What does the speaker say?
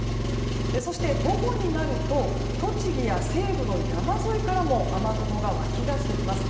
そして、午後になると栃木や西部の山沿いからも雨雲が湧き出してきます。